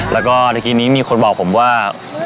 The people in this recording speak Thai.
แล้วก็เมื่อกี้นี้มีคนบอกผมว่า